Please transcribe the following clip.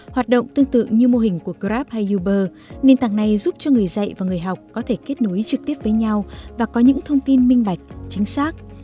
hoạt động tương tự như mô hình của grab hay uber nền tảng này giúp cho người dạy và người học có thể kết nối trực tiếp với nhau và có những thông tin minh bạch chính xác